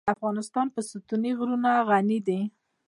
افغانستان په ستوني غرونه غني دی.